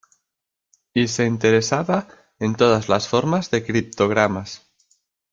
Y se interesaba en todas las formas de criptógamas.